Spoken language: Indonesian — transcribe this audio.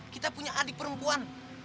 kita punya adik perempuan